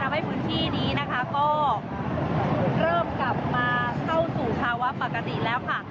ให้พื้นที่นี้นะคะก็เริ่มกลับมาเข้าสู่ภาวะปกติแล้วค่ะ